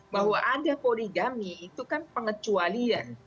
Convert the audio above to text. bahwa ada poligami itu kan pengecualian